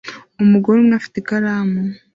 Umugore umwe afite ikaramu